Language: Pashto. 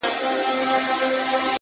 د ميني پر كوڅه ځي ما يوازي پــرېـــږدې ـ